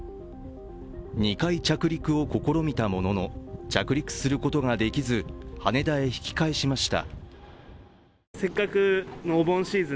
２回着陸を試みたものの着陸することができず、羽田へ引き返しました。